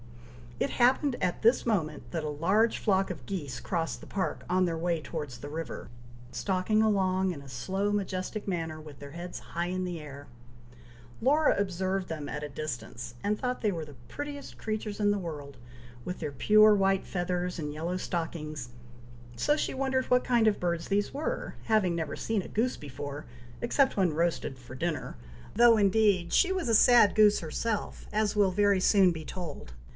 It happened at this moment, that a large flock of geese crossed the park, on their way towards the river, stalking along in a slow majestic manner, with their heads high in the air. Laura observed them at a distance, and thought they were the prettiest creatures in the world, with their pure white feathers and yellow stockings, so she wondered what kind of birds these were, having never seen a goose before, except when roasted for dinner, though, indeed, she was a sad goose herself, as will very soon be told.